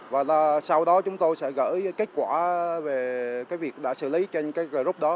và sau đó chúng tôi sẽ gửi kết quả về cái việc đã xử lý trên cái group đó